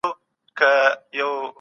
ښاروال د واکمن کړنو په اړه فکر کاوه.